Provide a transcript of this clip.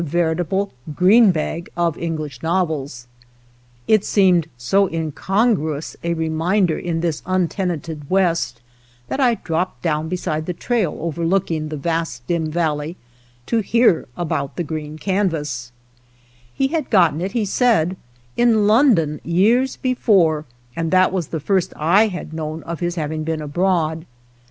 „v£ritable "green bag" of English jiqy ^ els. It seemed so incongruous a reminder in this untenanted West that I dropped 78 •• THE POCKET HUNTER down beside the trail overlooking the vast dim valley, to hear about the green canvas, j He had gotten it, he said, in London years S before, and that was the first I had known / of his having been abroad.